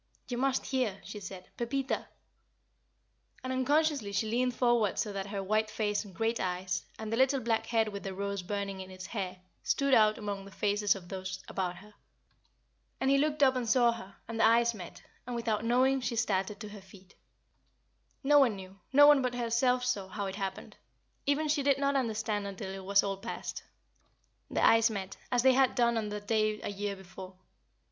"You must hear," she said. "Pepita! Pepita!" And unconsciously she leaned forward so that her white face and great eyes, and the little black head with the rose burning in its hair, stood out among the faces of those about her. And he looked up and saw her, and their eyes met; and without knowing she started to her feet. No one knew, no one but herself saw, how it happened: even she did not understand until all was past. Their eyes met, as they had done on the day a year before.